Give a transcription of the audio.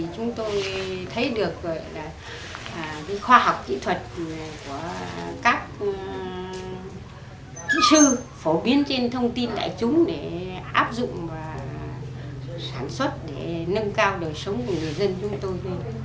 chúng tôi thấy được khoa học kỹ thuật của các kỹ sư phổ biến trên thông tin đại chúng để áp dụng và sản xuất để nâng cao đời sống của người dân chúng tôi